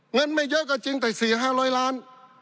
เงินไม่เยอะก็จริงแต่๔๕๐๐ล้าน